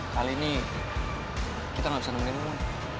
kali ini kita gak bisa nemeninmu